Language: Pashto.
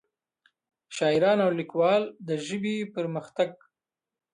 شاعران او ليکوال دَ ژبې پۀ پرمخ تګ